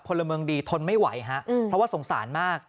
พลเมืองดีทนไม่ไหวฮะเพราะว่าสงสารมาก